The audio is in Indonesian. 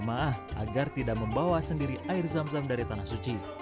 jemaah haji juga meminta maaf agar tidak membawa sendiri air zam zam dari tanah suci